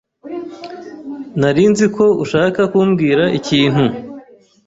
Nari nzi ko ushaka kumbwira ikintu.